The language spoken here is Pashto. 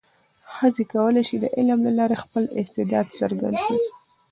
ښځې کولای شي د علم له لارې خپل استعداد څرګند کړي.